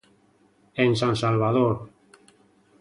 En San Salvador.